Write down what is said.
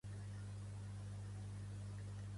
La casa té jardí una tanca.